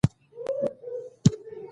د عسکري خدمت پر مهال قرارداد ځنډیږي.